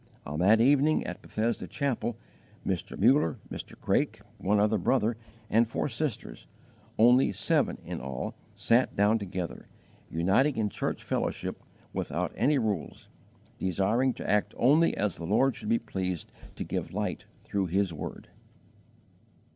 On that evening at Bethesda Chapel Mr. Muller, Mr. Craik, one other brother, and four sisters only seven in all sat down together, uniting in church fellowship _"without any rules, desiring to act only as the Lord should be pleased to give light through His word."